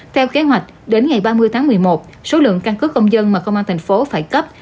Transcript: theo kế hoạch đến ngày ba mươi tháng một mươi một số lượng căn cứ công dân mà công an thành phố phải cấp